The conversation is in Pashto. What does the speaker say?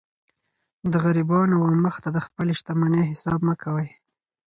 د غریبانو و مخ ته د خپلي شتمنۍ حساب مه کوئ!